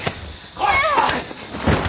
来い！